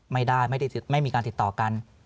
ไม่ได้ไม่มีการติดต่อกัน